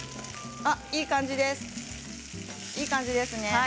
いい感じですね。